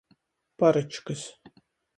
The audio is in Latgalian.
Paryčkys.